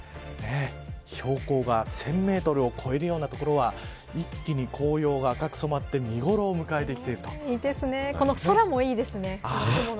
標高が１０００メートルを超えるような所は一気に紅葉が赤く染まって見頃を空もいいですね。